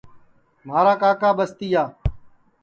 مھارا کاکا ٻستِیا